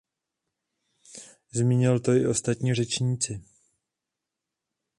Zmínili to i ostatní řečníci.